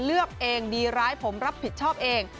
เลือกเองดีร้ายผมรับผิดชอบเอง